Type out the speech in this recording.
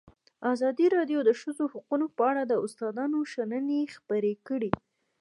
ازادي راډیو د د ښځو حقونه په اړه د استادانو شننې خپرې کړي.